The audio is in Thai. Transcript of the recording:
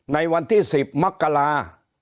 ในวันที่๑๐มักกะลา